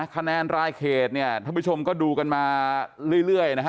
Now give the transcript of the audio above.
คะแนนรายเขตเนี่ยท่านผู้ชมก็ดูกันมาเรื่อยนะฮะ